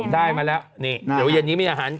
ได้มาแล้วนี่เดี๋ยวเย็นนี้มีอาหาร